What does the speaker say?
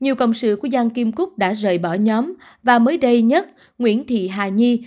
nhiều cộng sự của giang kim cúc đã rời bỏ nhóm và mới đây nhất nguyễn thị hà nhi